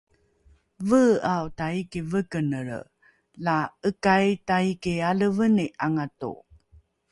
vee’ao taiki vekenelre la ’ekai taiki aleveni ’angato